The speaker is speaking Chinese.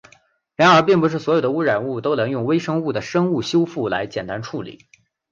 然而并不是所有的污染物都能用微生物的生物修复来简单处理。